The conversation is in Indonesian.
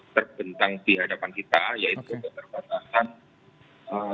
terbentang di hadapan kita yaitu keterbatasan